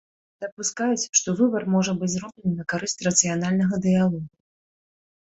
Дапускаюць, што выбар можа быць зроблены на карысць рацыянальнага дыялогу.